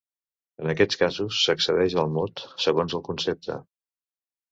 En aquests casos, s’accedeix al mot segons el concepte.